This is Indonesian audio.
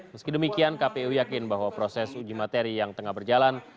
meski demikian kpu yakin bahwa proses uji materi yang tengah berjalan